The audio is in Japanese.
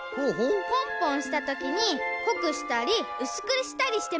ぽんぽんしたときにこくしたりうすくしたりしてみたよ。